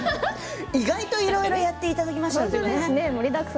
意外といろいろやっていただきました。